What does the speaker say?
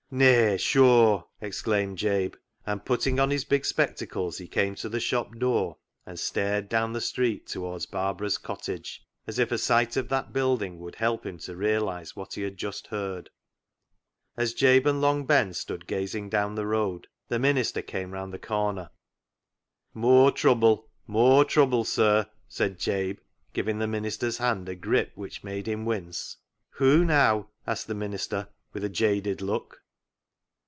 " Nay sure !" exclaimed Jabe, and putting on his big spectacles he came to the shop door, and stared down the street towards Barbara's cottage, as if a sight of that building would help him to realise what he had just heard. As Jabe and Long Ben stood gazing down the road the minister came round the corner. " Moor trubbel, moor trubbel, sir," said Jabe, giving the minister's hand a grip which made him wince. " Who now ?" asked the minister, with a jaded look.